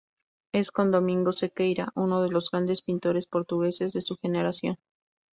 Es, con Domingos Sequeira, uno de los grandes pintores portugueses de su generación.